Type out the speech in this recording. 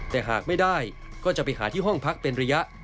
แต่หากไม่ได้ก็จะไปหาที่ห้องพักเป็นระยะ